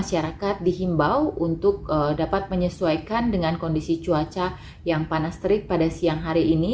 karena itu masyarakat dihimbau untuk dapat menyesuaikan dengan kondisi cuaca yang panas terik pada siang hari ini